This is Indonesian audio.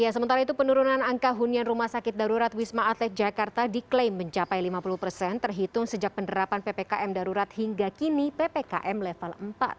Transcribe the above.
sementara itu penurunan angka hunian rumah sakit darurat wisma atlet jakarta diklaim mencapai lima puluh persen terhitung sejak penerapan ppkm darurat hingga kini ppkm level empat